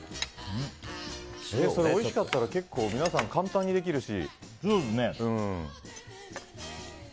それおいしかったら皆さん結構、簡単にできるし。